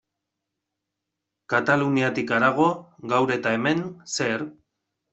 Kataluniatik harago, gaur eta hemen, zer?